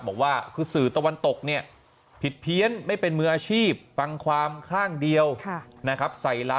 บอกว่าคือสื่อตะวันตกเนี่ยผิดเพี้ยนไม่เป็นมืออาชีพฟังความข้างเดียวนะครับ